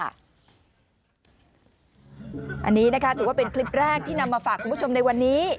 อันนี้นะคะถือว่าเป็นคลิปแรกที่นำมาฝากคุณผู้ชมในวันนี้